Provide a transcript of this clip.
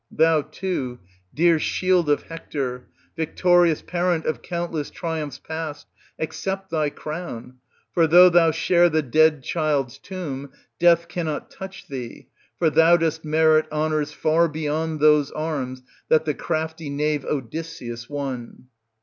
Thou too, dear shield of Hector, victorious parent of countless triumphs past, accept thy crown, for though thou share the dead child's tomb, death cannot touch thee ; for thou dost merit honours far beyond those arms ^ that the crafty knave Odysseus won.